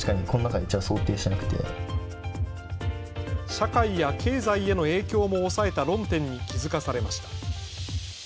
社会や経済への影響も押さえた論点に気付かされました。